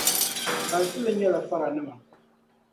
Ban su li nyɛla faranima.